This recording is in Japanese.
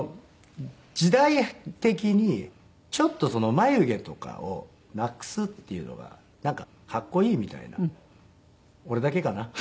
時代的にちょっと眉毛とかをなくすっていうのがなんか格好いいみたいな俺だけかな？